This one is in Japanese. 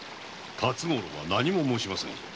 辰五郎は何も申しません。